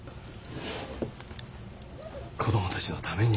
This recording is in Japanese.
子供たちのために。